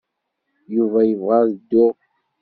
Yuba yebɣa ad dduɣ.